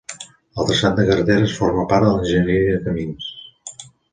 El traçat de carreteres forma part de l'enginyeria de camins.